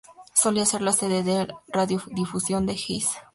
Solía ser la sede de la Radiodifusión de Hesse.